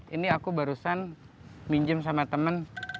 ini aku barusan minjem sama temen